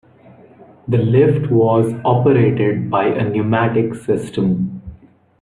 The lift was operated by a pneumatic system.